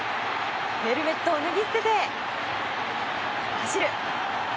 ヘルメットを脱ぎ捨てて走る！